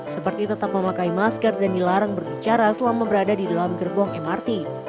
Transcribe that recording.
seperti tetap memakai masker dan dilarang berbicara selama berada di dalam gerbong mrt